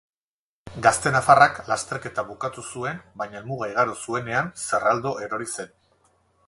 Gazte nafarrak lasterketa bukatu zuen, baina helmuga igaro zuenean zerraldo erori zen.